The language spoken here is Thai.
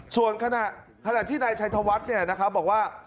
ส่วนขณะที่นายชัยธวัฒน์บอกว่า